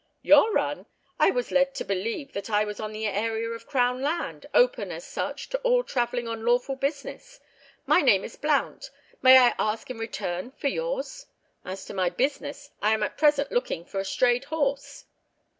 "Your run! I was led to believe that I was on the area of Crown land, open, as such, to all travelling on lawful business. My name is Blount. May I ask in return for yours? As to my business, I am at present looking for a strayed horse."